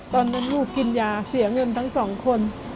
ตอนนั้นลูกกินยาเสียเงินทั้งสองคน